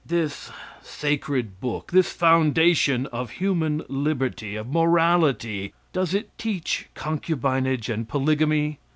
This sacred book, this foundation of human liberty, of morality, does it teach concubinage and polygamy?